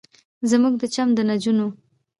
زموږ د چم د نجونو